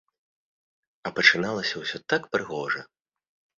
А пачыналася ўсё так прыгожа.